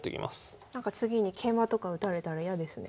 次に桂馬とか打たれたら嫌ですね。